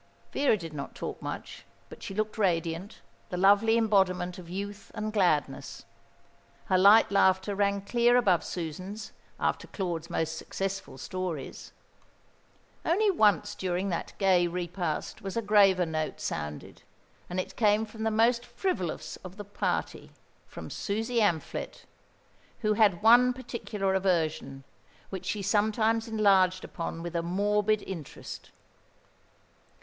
Vera did not talk much, but she looked radiant, the lovely embodiment of youth and gladness. Her light laughter rang clear above Susan's, after Claude's most successful stories. Once only during that gay repast was a graver note sounded, and it came from the most frivolous of the party, from Susie Amphlett, who had one particular aversion, which she sometimes enlarged upon with a morbid interest.